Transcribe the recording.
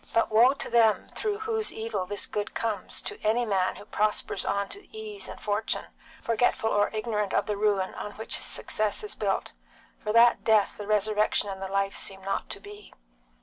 But woe to them through whose evil this good comes, to any man who prospers on to ease and fortune, forgetful or ignorant of the ruin on which his success is built. For that death the resurrection and the life seem not to be.